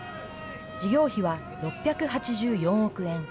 事業費は６８４億円。